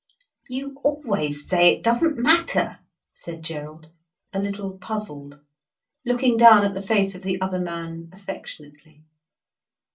"You always say it doesn't matter," said Gerald, a little puzzled, looking down at the face of the other man affectionately.